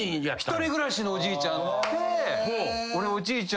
１人暮らしのおじいちゃん。